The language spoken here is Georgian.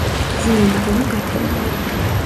მზიანი დილა გათენდა.